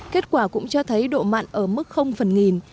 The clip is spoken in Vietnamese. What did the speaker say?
kết quả cũng cho thấy độ mặn ở mức phần nghìn